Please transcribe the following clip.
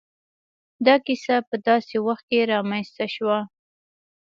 دا کيسه په داسې وخت کې را منځ ته شوه.